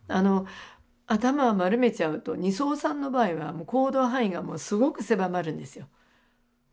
頭を丸めちゃうと尼僧さんの場合は行動範囲がすごく狭まるんですよ。